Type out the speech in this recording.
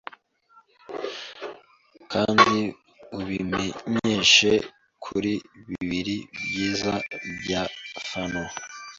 Kandi ubimenyeshe kuri bibiri byiza bya Fano